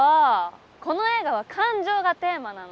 この映画は感情がテーマなの。